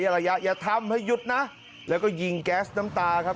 ระยะอย่าทำให้หยุดนะแล้วก็ยิงแก๊สน้ำตาครับ